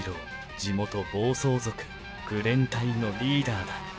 地元暴走族、愚連隊のリーダーだ。